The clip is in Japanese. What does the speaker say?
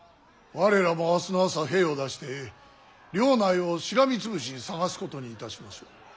我らも明日の朝兵を出して領内をしらみつぶしに捜すことにいたしましょう。